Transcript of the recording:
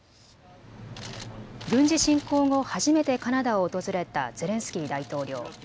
軍事侵攻後、初めてカナダを訪れたゼレンスキー大統領。